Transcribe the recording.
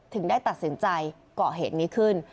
ถึงได้ตัดสินใจเกาะเหตุนี้ขึ้น